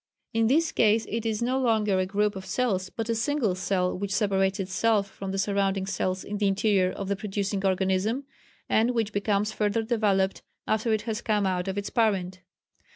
In this case it is no longer a group of cells but a single cell, which separates itself from the surrounding cells in the interior of the producing organism, and which becomes further developed after it has come out of its parent....